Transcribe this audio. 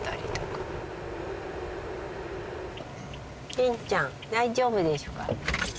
ぎんちゃん大丈夫でしゅか。